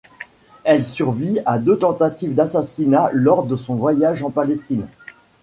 Elle survit à deux tentatives d'assassinat lors de son voyage en Palestine.